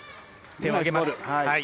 手を上げます。